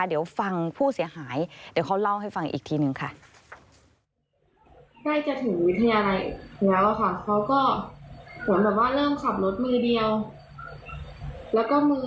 เดี๋ยวฟังผู้เสียหายเดี๋ยวเขาเล่าให้ฟังอีกทีหนึ่งค่ะ